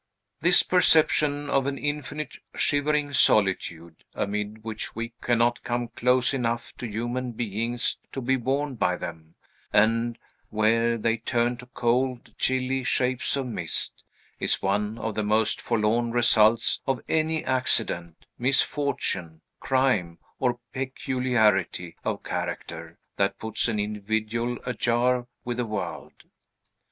This perception of an infinite, shivering solitude, amid which we cannot come close enough to human beings to be warmed by them, and where they turn to cold, chilly shapes of mist, is one of the most forlorn results of any accident, misfortune, crime, or peculiarity of character, that puts an individual ajar with the world.